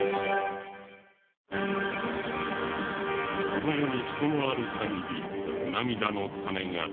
この世に人のある限り涙の種がつきまとう。